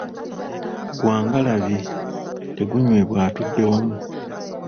Gwa ngalabi, tegunywebwa atudde wamu.